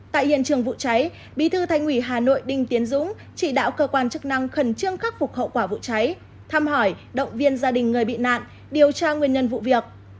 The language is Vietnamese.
tại hiện trường vụ cháy bí thư thành ủy hà nội đinh tiến dũng chỉ đạo cơ quan chức năng khẩn trương khắc phục hậu quả vụ cháy thăm hỏi động viên gia đình người bị nạn điều tra nguyên nhân vụ việc